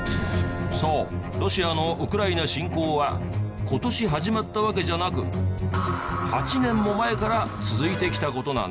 そうロシアのウクライナ侵攻は今年始まったわけじゃなく８年も前から続いてきた事なんです。